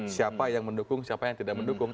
siapa yang mendukung siapa yang tidak mendukung